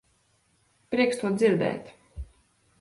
Prieks to dzirdēt.